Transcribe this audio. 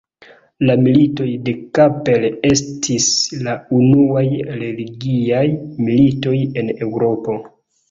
La Militoj de Kappel estis la unuaj religiaj militoj en Eŭropo.